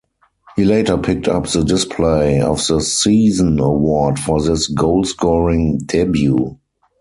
He later picked up the display of the season award for this goal-scoring debut.